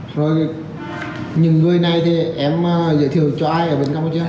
rồi những người này thì em giới thiệu cho ai ở bên campuchia